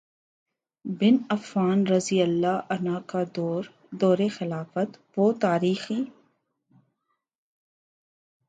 بن عفان رضی اللہ عنہ کا دور خلافت وہ تاریخی